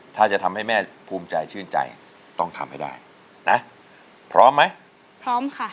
ถ้าจะทำให้แม่ภูมิใจชื่นใจต้องทำให้ได้นะพร้อมไหมพร้อมค่ะ